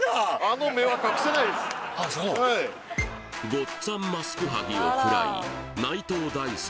ごっつぁんマスク剥ぎを食らい内藤大助